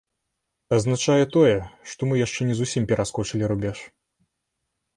Азначае тое, што мы яшчэ не зусім пераскочылі рубеж.